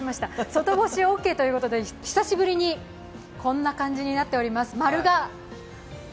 外干しオーケーということで、久しぶりにこんな感じになっています。